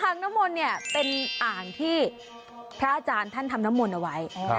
งน้ำมนต์เนี่ยเป็นอ่างที่พระอาจารย์ท่านทำน้ำมนต์เอาไว้